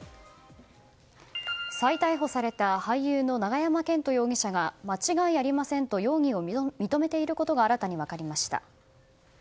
再逮捕された俳優の永山絢斗容疑者が間違いありませんと容疑を認めていることが新たに分かりました。